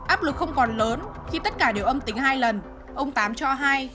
áp lực không còn lớn khi tất cả đều âm tính hai lần ông tám cho hay